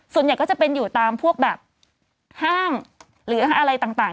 ส่วนใหญ่ก็จะเป็นอยู่ตามพวกแบบห้างหรืออะไรต่าง